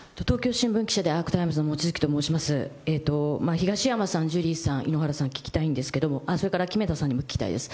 東山さん、ジュリーさん、井ノ原さん、聞きたいんですけど、それから木目田さんにも聞きたいです。